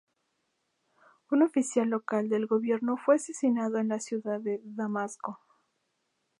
Un oficial local del gobierno fue asesinado en la ciudad de Damasco.